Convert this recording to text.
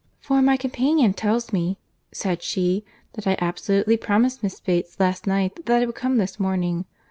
"For my companion tells me," said she, "that I absolutely promised Miss Bates last night, that I would come this morning.